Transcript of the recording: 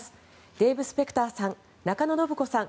デーブ・スペクターさん中野信子さん